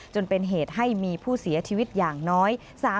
จนเป็นเหตุให้มีผู้เสียชีวิตอย่างน้อย